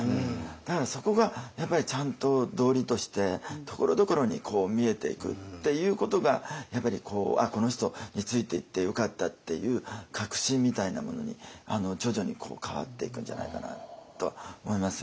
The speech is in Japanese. だからそこがやっぱりちゃんと道理としてところどころに見えていくっていうことがやっぱり「あっこの人についていってよかった」っていう確信みたいなものに徐々に変わっていくんじゃないかなとは思いますよね。